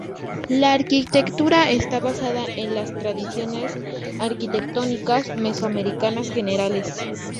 La arquitectura está basada en las tradiciones arquitectónicas Mesoamericanas generales.